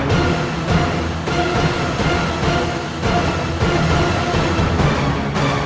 lihat siluman buaya juga